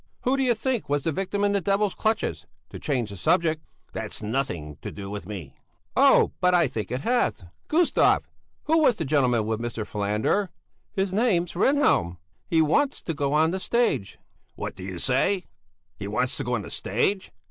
"Who do you think was the victim in the devil's clutches, to change the subject?" "That's nothing to do with me." "Oh, but I think it has! Gustav! Who was the gentleman with Mr. Falander?" "His name's Rehnhjelm! He wants to go on the stage." "What do you say? He wants to go on the stage?